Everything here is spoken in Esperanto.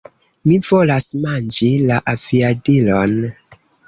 Mi volas manĝi la aviadilon!